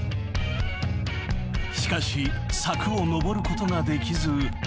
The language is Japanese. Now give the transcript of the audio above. ［しかし柵を登ることができず］